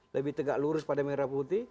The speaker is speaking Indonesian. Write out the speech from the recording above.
lebih tegak lurus pada merah putih